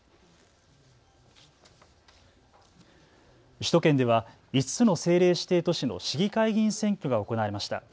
首都圏では、５つの政令指定都市の市議会議員選挙が行われました。